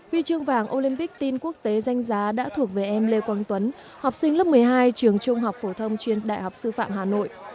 huy chương vàng olympic tin quốc tế danh giá đã thuộc về em lê quang tuấn học sinh lớp một mươi hai trường trung học phổ thông chuyên đại học sư phạm hà nội